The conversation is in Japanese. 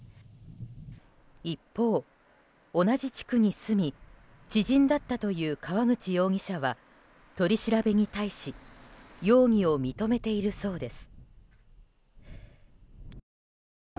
一方、同じ地区に住み知人だったという川口容疑者は取り調べに対し容疑を認めているそうです。